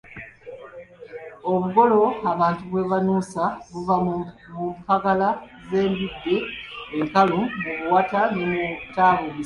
Obugolo abantu bwe banuusa buva ku mpagala z'embidde enkalu, mu buwata ne mu taba omuse.